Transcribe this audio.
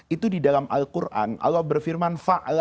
itu di dalam al quran allah berfirman